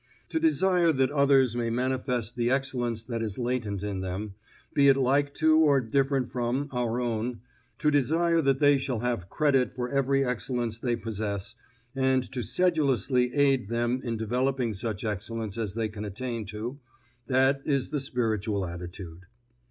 To desire that others may manifest the excellence that is latent in them be it like to or different from our own, to desire that they shall have credit for every excellence they possess, and to sedulously aid them in developing such excellence as they can attain to, that is the spiritual attitude.